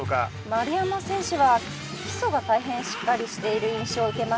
丸山選手は基礎が大変しっかりしている印象を受けました。